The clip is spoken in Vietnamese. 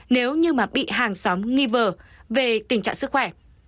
nếu như mà bị hàng xóm nghi ngờ về tình trạng sức khỏe